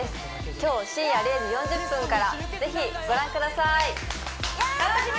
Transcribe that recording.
今日深夜０時４０分からぜひご覧ください！や楽しみ！